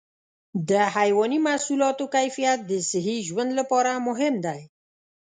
د حيواني محصولاتو کیفیت د صحي ژوند لپاره مهم دی.